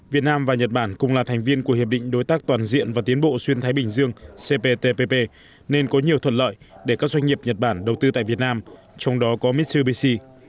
việt nam và nhật bản cùng là thành viên của hiệp định đối tác toàn diện và tiến bộ xuyên thái bình dương cptpp nên có nhiều thuận lợi để các doanh nghiệp nhật bản đầu tư tại việt nam trong đó có mitsubishi